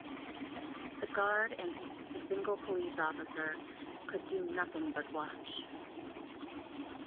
The guard and the single police officer could do nothing but watch.